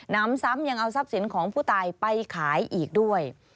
น้ำซ้ำยังเอาทรัพย์สินของผู้ตายไปขายอีกด้วย